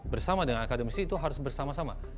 bersama dengan akademisi itu harus bersama sama